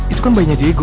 itu kan bayinya diego